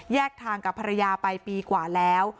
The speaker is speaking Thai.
ทางกับภรรยาไปปีกว่าแล้ว